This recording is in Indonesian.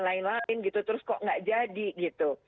lain lain gitu terus kok nggak jadi gitu